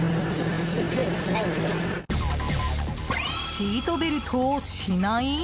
シートベルトをしない？